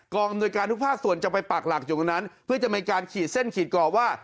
อำนวยการทุกภาคส่วนจะไปปากหลักอยู่ตรงนั้นเพื่อจะมีการขีดเส้นขีดกรอบว่า